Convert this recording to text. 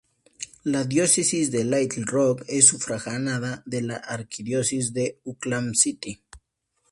La Diócesis de Little Rock es sufragánea de la Arquidiócesis de Oklahoma City.